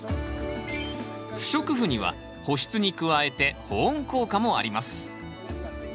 不織布には保湿に加えて保温効果もあります。